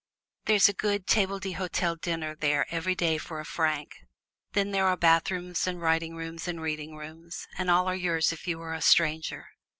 There's a good table d'hote dinner there every day for a franc; then there tare bathrooms and writing rooms and reading rooms, and all are yours if you are a stranger.